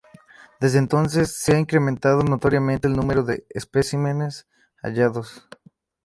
Desde entonces, se ha incrementado notoriamente el número de especímenes hallados.